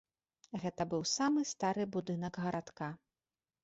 Гэта быў самы стары будынак гарадка.